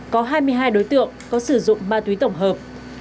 có hai mươi hai đối tượng có sử dụng ma túy tổng hợp